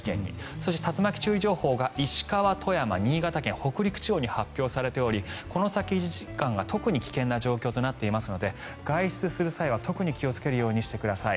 そして、竜巻注意情報が石川、富山、新潟県北陸地方に発表されておりこの先、１時間が特に危険な状況となっていますので外出する際は特に気をつけるようにしてください。